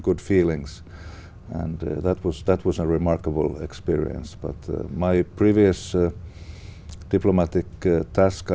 có rất nhiều thứ khác